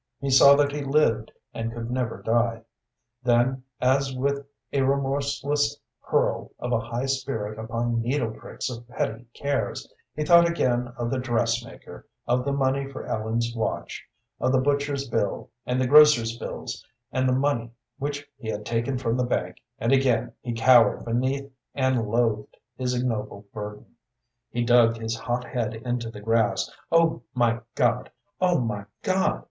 He saw that he lived and could never die. Then, as with a remorseless hurl of a high spirit upon needle pricks of petty cares, he thought again of the dressmaker, of the money for Ellen's watch, of the butcher's bill, and the grocer's bills, and the money which he had taken from the bank, and again he cowered beneath and loathed his ignoble burden. He dug his hot head into the grass. "Oh, my God! oh, my God!"